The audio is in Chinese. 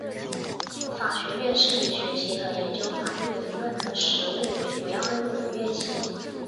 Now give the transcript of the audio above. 法学院是以学习和研究法律的理论和实务为主要任务的院系。